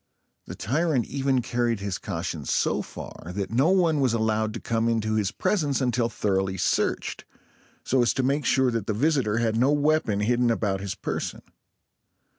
The tyrant even carried his caution so far, that no one was allowed to come into his presence until thoroughly searched, so as to make sure that the visitor had no weapon hidden about his person.